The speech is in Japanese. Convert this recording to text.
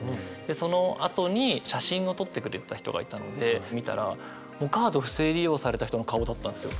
そのあとに写真を撮ってくれてた人がいたので見たらもうカード不正利用された人の顔だったんですよ